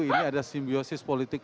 ini ada simbiosis politik